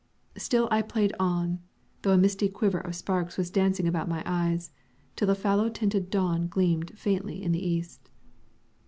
Still I played on, though a misty quiver of sparks was dancing about my eyes, till the fallow tinted dawn gleamed faintly in the east.